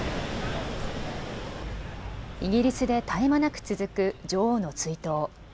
イギリスで絶え間なく続く女王の追悼。